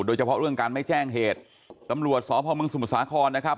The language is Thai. โดยเฉพาะเรื่องการไม่แจ้งเหตุตำรวจสพมสมุทรสาครนะครับ